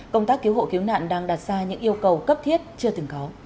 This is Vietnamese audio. công tác cứu hộ cứu nạn đang đặt ra những yêu cầu cấp thiết chưa từng có